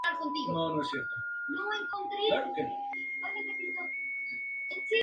Vincent es un hombre violento, y a veces aparece verdaderamente perdido.